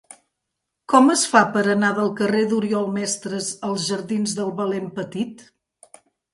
Com es fa per anar del carrer d'Oriol Mestres als jardins del Valent Petit?